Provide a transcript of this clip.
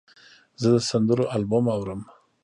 زه د سندرو البوم اورم.